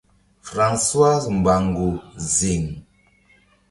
Francoise mbango ziŋ.